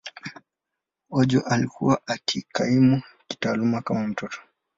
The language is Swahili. Ojo alikuwa akikaimu kitaaluma kama mtoto.